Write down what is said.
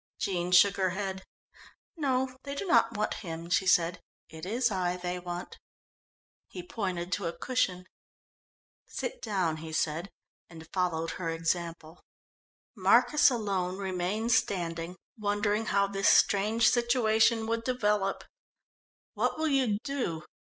Jean shook her head. "No, they do not want him," she said, "it is I they want." He pointed to a cushion. "Sit down," he said, and followed her example. Marcus alone remained standing, wondering how this strange situation would develop. "What will you do?